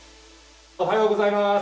おはようございます。